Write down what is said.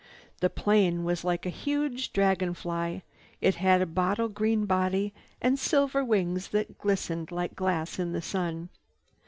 The plane was like a huge dragon fly. It had a bottle green body and silver wings that glistened like glass in the sun.